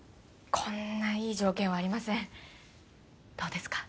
こんないい条件はありませんどうですか？